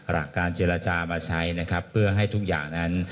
หลักการเจรจามาใช้นะครับเพื่อให้ทุกอย่างนั้น